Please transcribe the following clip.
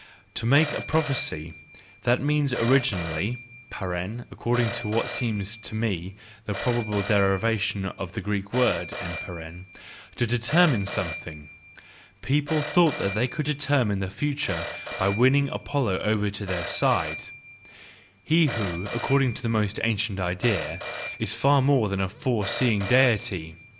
To make a prophecy—that means originally (according to what seems to'me the probable derivation of the Greek word) to deter¬ mine something ; people thought they could deter¬ mine the future by winning Apollo over to their side: he who, according to the most ancient idea, is far more than a foreseeing deity.